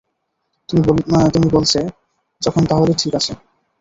তুমি বলছে যখন তাহলে ঠিক আছে।